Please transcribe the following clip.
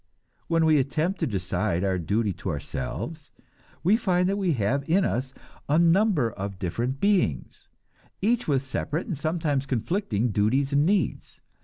When we attempt to decide our duty to ourselves, we find that we have in us a number of different beings, each with separate and sometimes conflicting duties and needs.